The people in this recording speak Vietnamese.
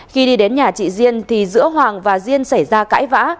khi đi đến nhà chị diên thì giữa hoàng và diên xảy ra cãi vã